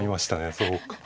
そうか。